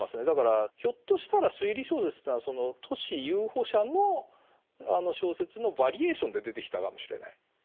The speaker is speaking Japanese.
だからひょっとしたら推理小説というのはその都市遊歩者の小説のバリエーションで出てきたかもしれない。